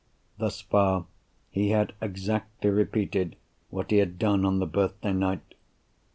Thus far, he had exactly repeated what he had done on the birthday night.